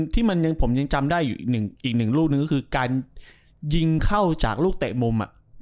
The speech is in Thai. แต่ผมยังจำได้อีกลูกก็คือการยิงเข้าจากลูกเตะบุม